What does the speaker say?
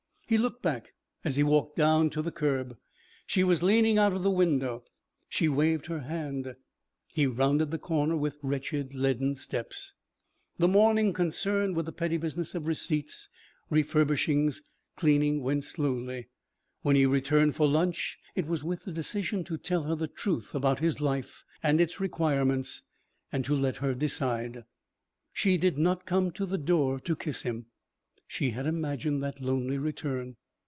He looked back as he walked down to the curb. She was leaning out of the window. She waved her hand. He rounded the corner with wretched, leaden steps. The morning, concerned with the petty business of receipts, refurbishings, cleaning, went slowly. When he returned for lunch it was with the decision to tell her the truth about his life and its requirements and to let her decide. She did not come to the door to kiss him. (She had imagined that lonely return.)